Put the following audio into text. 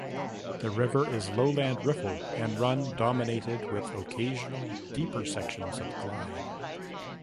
The river is lowland riffle and run dominated with occasional deeper sections of glide.